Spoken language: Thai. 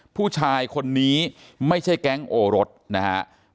ผู้ชายคนนี้ไม่ใช่แก๊งโอรสนะครับ